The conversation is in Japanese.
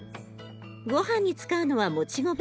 ごはんに使うのはもち米。